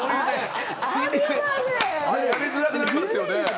やめづらくなりますよね。